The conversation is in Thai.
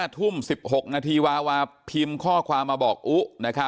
ทุ่ม๑๖นาทีวาวาพิมพ์ข้อความมาบอกอุ๊